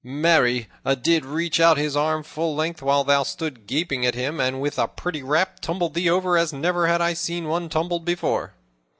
Marry, 'a did reach out his arm full length while thou stood gaping at him, and, with a pretty rap, tumbled thee over as never have I seen one tumbled before."